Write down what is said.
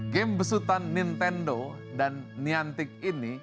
game besutan nintendo dan niantik ini